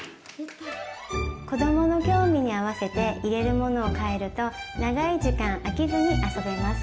子どもの興味に合わせて入れるものを変えると長い時間飽きずに遊べます。